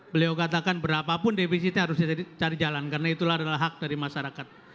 beliau katakan berapapun defisitnya harus dicari jalan karena itulah adalah hak dari masyarakat